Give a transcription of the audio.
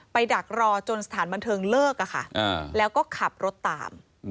ดักรอจนสถานบันเทิงเลิกแล้วก็ขับรถตาม